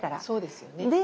そうですよね。